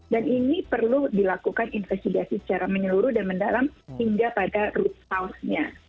dan ini perlu dilakukan investigasi secara menyeluruh dan mendalam hingga pada root cause nya